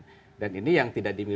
itu adalah yang diperlukan